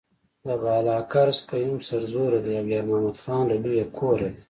د بالاکرز قیوم سرزوره دی او یارمحمد خان له لوی کوره دی.